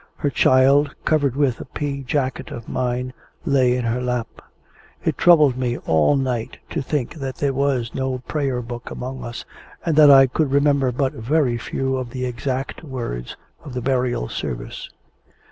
Her child, covered with a pea jacket of mine, lay in her lap. It troubled me all night to think that there was no Prayer Book among us, and that I could remember but very few of the exact words of the burial service.